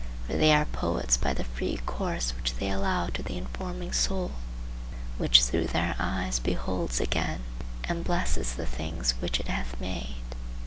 For they are poets by the free course which they allow to the informing soul, which through their eyes beholds again and blesses the things which it hath made.